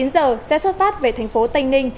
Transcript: chín giờ sẽ xuất phát về thành phố tây ninh